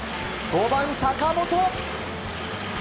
５番、坂本。